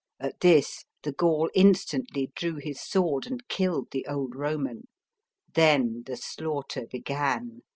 At this, the Gaul instantly drew his sword, and killed the old Koman. Then the slaughter began.